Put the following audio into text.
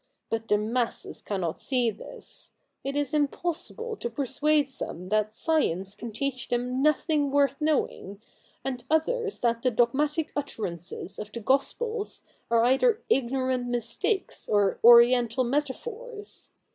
But the masses cannot see this. It is impossible to per suade some that science can teach them nothing worth knowing, and others that the dogmatic utterances of the gospels are either ignorant mistakes or oriental metaphors.